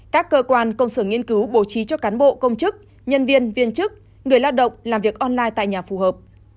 các cơ quan công sở nghiên cứu bổ trí cho cán bộ công chức nhân viên chức người lao động làm việc online tại nhà phù hợp